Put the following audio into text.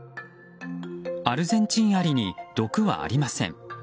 アルゼンチンアリに毒はありません。